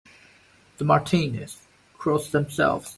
The Martinis cross themselves.